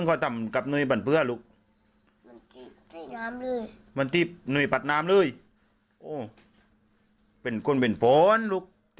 ไปกับป่าตู้๒คนเหรอ